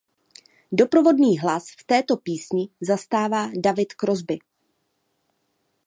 Doprovodný hlas v této písni zastává David Crosby.